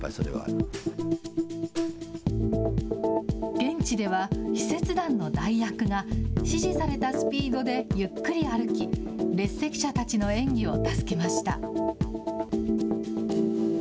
現地では、使節団の代役が、指示されたスピードでゆっくり歩き、列席者たちの演技を助けました。